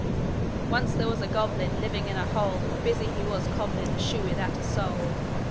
'Once there was a goblin Living in a hole; Busy he was cobblin' A shoe without a sole.